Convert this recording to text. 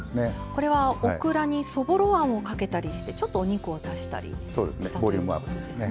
これはオクラにそぼろあんをかけたりしてお肉を足したりしたということですね。